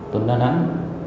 tuấn đà nẵng